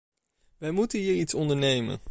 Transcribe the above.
Wij moeten hier iets ondernemen.